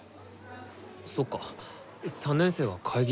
そっか３年生は会議中だっけ。